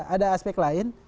ada aspek lain